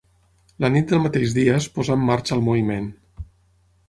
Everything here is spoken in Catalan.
La nit del mateix dia, es posà en marxa el moviment.